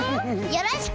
よろしく！